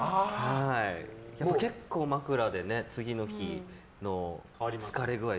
結構、枕でね、次の日の疲れ具合